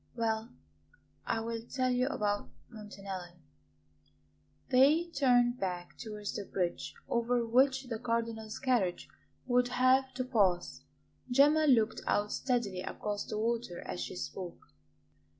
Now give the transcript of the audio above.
Well, I will tell you about Montanelli." They turned back towards the bridge over which the Cardinal's carriage would have to pass. Gemma looked out steadily across the water as she spoke.